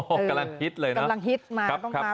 กำลังฮิตเลยนะ